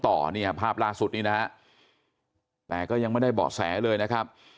ต่อเนี่ยภาพล่าสุดนี้นะฮะแต่ก็ยังไม่ได้เบาะแสเลยนะครับ